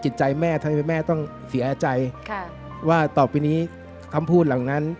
จิตใจแม่ทำให้แม่ต้องเสียใจว่าต่อไปนี้คำพูดเหล่านั้น